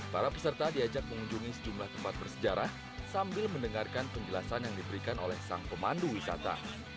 para peserta diajak mengunjungi sejumlah tempat bersejarah sambil mendengarkan penjelasan yang diberikan oleh sang pemandu wisata